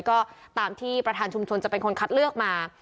ก็ตามที่ประธานชุมชนจะเป็นคนคัดเลือกมา